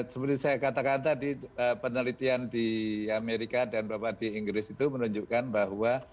seperti saya kata kata di penelitian di amerika dan beberapa di inggris itu menunjukkan bahwa